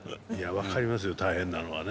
分かりますよ大変なのはね。